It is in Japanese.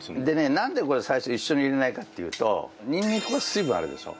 なんでこれ最初に一緒に入れないかっていうとにんにくは水分あるでしょ？